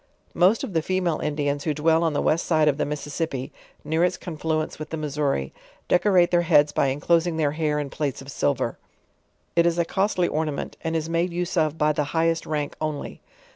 Most of the female Indians who dwell on the west side of the Mississippi, near its confluence with the Missouri, deco rate their heads by enclosing their hair in plates of silver; it is a costly ornament and is made use of by the highest rank only.